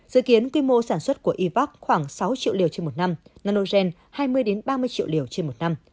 dự kiến quy mô sản xuất của ivac khoảng sáu triệu liều trên một năm nanogen hai mươi ba mươi triệu liều trên một năm